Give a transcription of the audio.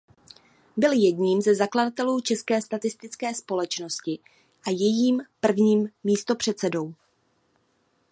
Byl jedním ze zakladatelů České statistické společnosti a jejím prvním místopředsedou.